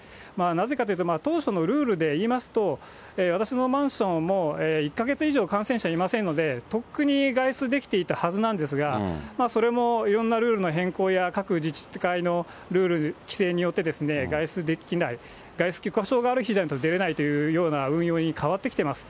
なぜかというと、当初のルールで言いますと、私のマンション、もう１か月以上、感染者いませんので、とっくに外出できていたはずなんですが、それもいろんなルールの変更や、各自治会のルール規制によって、外出できない、外出許可証がある日じゃないと出れないという運用に変わってきています。